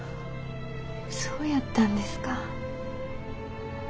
そうやったんですか。